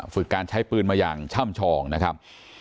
ฝึกการใช้ปืนมาอย่างช่ำชองนะครับ